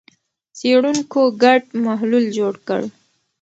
څېړونکو ګډ محلول جوړ کړ.